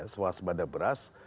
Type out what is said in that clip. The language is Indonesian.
soal semadab beras